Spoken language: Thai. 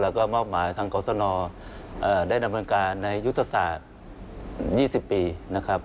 แล้วก็มอบหมายทางกรสนได้ดำเนินการในยุทธศาสตร์๒๐ปีนะครับ